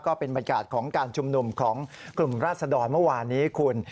บรรยากาศของการชุมนุมของกลุ่มราศดรเมื่อวานนี้คุณ